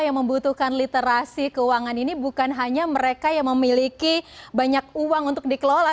yang membutuhkan literasi keuangan ini bukan hanya mereka yang memiliki banyak uang untuk dikelola